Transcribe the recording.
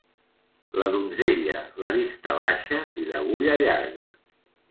La donzella, la vista baixa i l'agulla llarga.